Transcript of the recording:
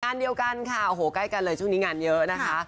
งานเดียวกันค่ะโอ้โหใกล้กันเลยช่วงนี้งานเยอะนะคะ